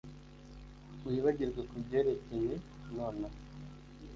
Wibagirwe kubyerekeye nonaha